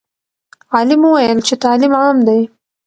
عالم وویل چې تعلیم عام دی.